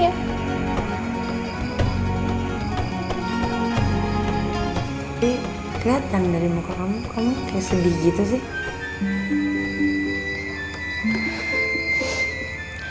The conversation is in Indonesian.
tapi liat kan dari muka kamu kamu kayak sedih gitu sih